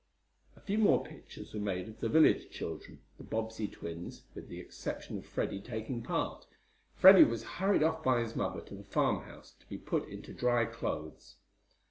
A few more pictures were made of the village children, the Bobbsey twins, with the exception of Freddie, taking part. Freddie was hurried off by his mother to the farmhouse to be put into dry clothes.